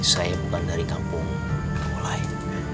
saya bukan dari kampung lain